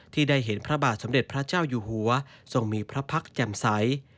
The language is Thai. ได้เห็นพระบาทสมเด็จพระเจ้าอยู่หัวทรงมีพระพักษ์แจ่มใส